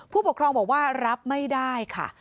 ผู้ปกครองบอกว่ารับไม่ได้ค่ะ